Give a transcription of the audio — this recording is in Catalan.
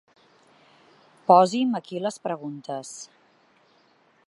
Posi’m aquí les preguntes.